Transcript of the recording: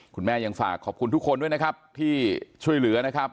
คุณแม่ยังฝากขอบคุณทุกคนด้วยนะครับที่ช่วยเหลือนะครับ